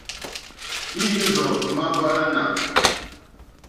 Mǐīrzɔ̀ má hwàlánà.